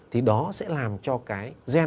thì đó sẽ làm cho cái gen